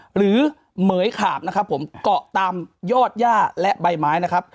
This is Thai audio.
เหมือยขาบนะครับผมเกาะตามยอดย่าและใบไม้นะครับ